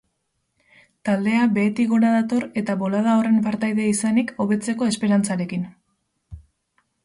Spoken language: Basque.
Taldea behetik gora dator eta bolada horren partaide izanik hobetzeko esperantzarekin.